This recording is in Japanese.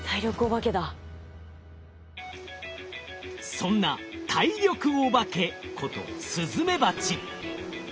そんな「体力おばけ」ことスズメバチ。